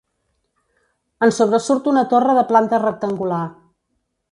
En sobresurt una torre de planta rectangular.